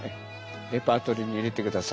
レパートリーに入れてください。